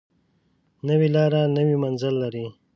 نوې لاره نوی منزل لري